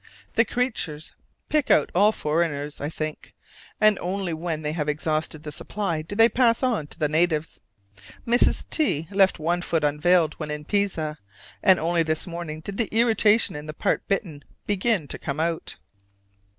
The creatures pick out all foreigners, I think, and only when they have exhausted the supply do they pass on to the natives. Mrs. T left one foot unveiled when in Pisa, and only this morning did the irritation in the part bitten begin to come out.